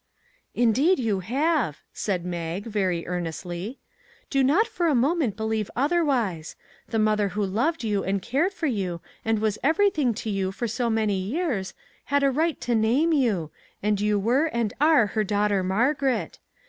" Indeed you have !" said Mag, very ear nestly. " Do not for a moment believe other wise; the mother who loved you and cared for you and was everything to you for so many years had a right to name you, and you were and are her daughter Margaret.